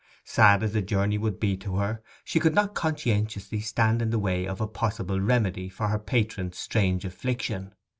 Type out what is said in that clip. Sad as the journey would be to her, she could not conscientiously stand in the way of a possible remedy for her patron's strange affliction.